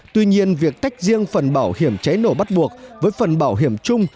tuy nhiên việc tách riêng phần bảo hiểm cháy nổ bắt buộc với phần bảo hiểm chung